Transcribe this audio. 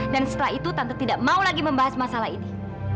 dan setelah itu tante tidak mau lagi membahas masalah ini